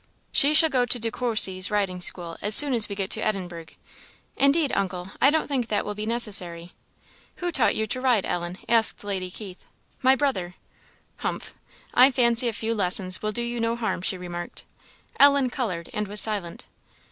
"She shall go to De Courcy's riding school as soon as we get to Edinburgh." "Indeed, uncle, I don't think that will be necessary." "Who taught you to ride, Ellen?" asked Lady Keith. "My brother." "Humph! I fancy a few lessons will do you no harm," she remarked. Ellen coloured and was silent.